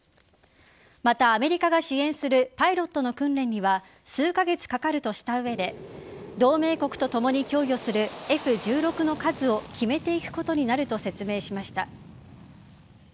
また、アメリカが支援するパイロットの訓練には数カ月かかるとした上で同盟国とともに供与するＦ‐１６の数を決めていくことになると説明しました。